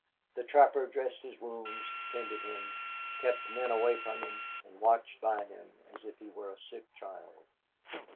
The trapper dressed his wounds, tended him, kept men away from him, and watched by him as if he were a sick child.